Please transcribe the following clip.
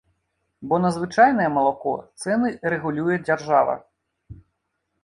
Бо на звычайнае малако цэны рэгулюе дзяржава.